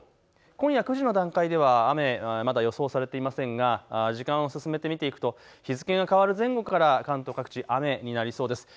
今夜９時の段階では雨、まだ予想されていませんが時間を進めて見ていくと日付が変わる前後から関東各地雨になりそうです。